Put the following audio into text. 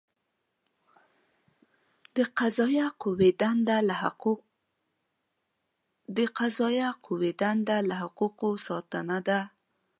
د قضائیه قوې دنده له حقوقو ساتنه ده.